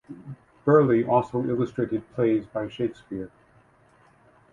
Burleigh also illustrated plays by Shakespeare.